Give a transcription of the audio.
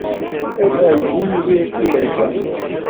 Ad argun yir tirga.